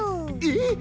えっ！？